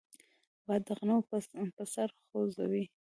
باد د غنمو پسر خوځوي